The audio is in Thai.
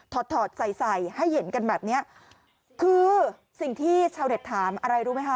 อดถอดใส่ใส่ให้เห็นกันแบบเนี้ยคือสิ่งที่ชาวเน็ตถามอะไรรู้ไหมคะ